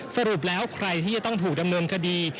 สรุปแล้วใครที่จะต้องถูกดำเนินคดี